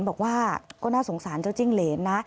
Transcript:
บอกว่าก็น่าสงสารเจ้าจิ้งเหรนนะ